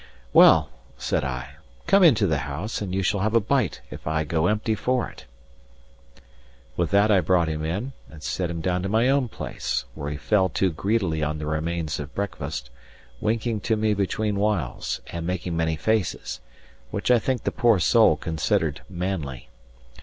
"Well," said I, "come into the house, and you shall have a bite if I go empty for it." With that I brought him in and set him down to my own place, where he fell to greedily on the remains of breakfast, winking to me between whiles, and making many faces, which I think the poor soul considered manly.